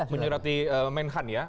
menjurati menkhan ya